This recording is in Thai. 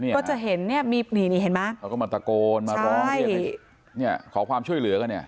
ก็จะเห็นนี่เห็นไหมเขาก็มาตะโกนมาร้องขอความช่วยเหลือกันเนี่ย